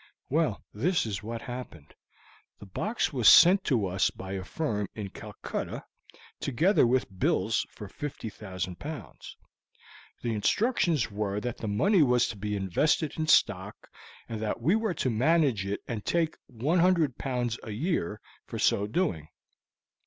Well, this is what happened. The box was sent to us by a firm in Calcutta, together with bills for 50,000 pounds. The instructions were that the money was to be invested in stock, and that we were to manage it and to take 100 pounds a year for so doing.